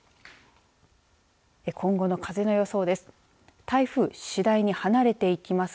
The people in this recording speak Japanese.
今後の風の予想です。